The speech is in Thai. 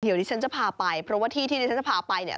เดี๋ยวดิฉันจะพาไปเพราะว่าที่ที่ฉันจะพาไปเนี่ย